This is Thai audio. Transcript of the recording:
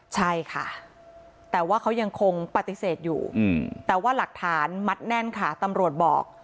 ใช่ค่ะแต่ว่าเขายังคงปฏิเสธอยู่แต่ว่าหลักฐานมัดแน่นค่ะตำรวจบอก